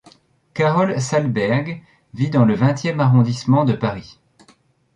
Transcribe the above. Carole Zalberg vit dans le vingtième arrondissement de Paris.